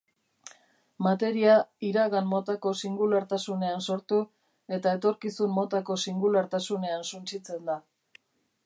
Materia iragan motako singulartasunean sortu eta etorkizun motako singulartasunean suntsitzen da.